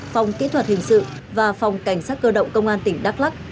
phòng kỹ thuật hình sự và phòng cảnh sát cơ động công an tỉnh đắk lắc